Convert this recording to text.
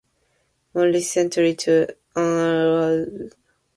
More recently an arrow has been added behind the "Flying W".